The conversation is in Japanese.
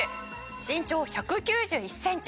「身長１９１センチ